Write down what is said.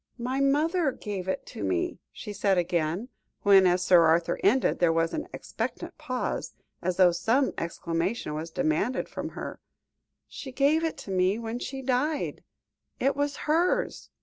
"My mother gave it to me," she said again, when as Sir Arthur ended, there was an expectant pause, as though some explanation was demanded from her; "she gave it to me when she died it was hers."